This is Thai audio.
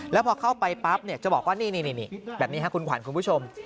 แล้วพอเข้าไปปั๊บจะบอกว่านี่แบบนี้ครับคุณขวัญคุณผู้ชม